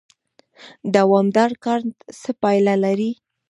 دوامدار کار څه پایله لري؟